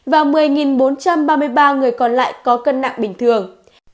và một mươi bốn trăm ba mươi ba người còn lại có cân nặng bình thường